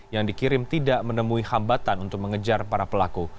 yang dikirim tidak menemui hambatan untuk mengejar para pelaku